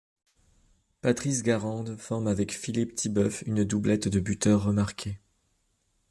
Patrice Garande forme avec Philippe Tibeuf une doublette de buteurs remarqués.